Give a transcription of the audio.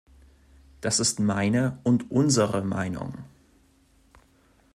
Das ist meine und unsere Meinung!